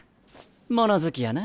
物好きやな